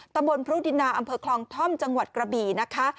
พรุดินนาอำเภอคลองท่อมจังหวัดกระบี่นะคะ